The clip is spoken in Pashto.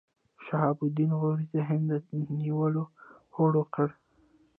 شهاب الدین غوري د هند د نیولو هوډ وکړ.